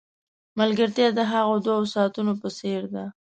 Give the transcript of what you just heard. ملګرتیا د هغو دوو ساعتونو په څېر ده.